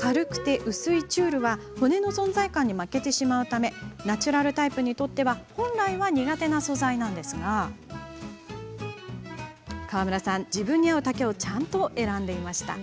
軽くて薄いチュールは骨の存在感に負けてしまうためナチュラルタイプにとっては本来、苦手な素材ですが川村さん、自分に合う丈をちゃんと選んでいました。